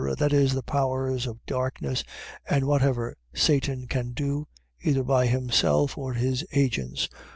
.That is, the powers of darkness, and whatever Satan can do, either by himself, or his agents.